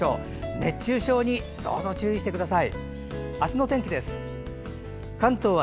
熱中症にどうぞ、注意してください。